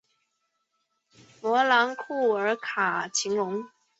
弗朗库尔卡泰隆。